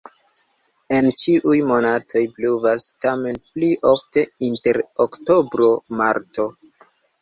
En ĉiuj monatoj pluvas, tamen pli ofte inter oktobro-marto.